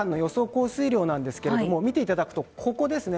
降水量なんですが見ていただくと、ここですね。